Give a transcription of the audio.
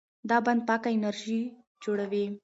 دا بند پاکه انرژي جوړوي.